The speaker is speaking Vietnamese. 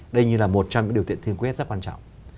đây như là một trong những điều kiện thiên quyết rất quan trọng